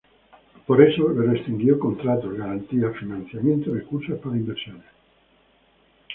Por eso le restringió contratos, garantías, financiamiento y recursos para inversiones.